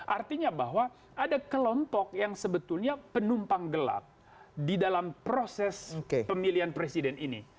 artinya bahwa ada kelompok yang sebetulnya penumpang gelap di dalam proses pemilihan presiden ini